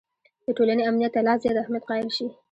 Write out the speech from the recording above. د ټولنې امنیت ته لا زیات اهمیت قایل شي.